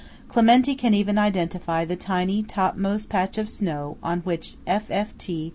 Clementi can even identify the tiny top most patch of snow on which F. F. T.